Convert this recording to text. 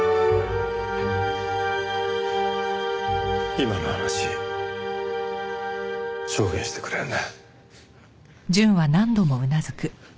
今の話証言してくれるね？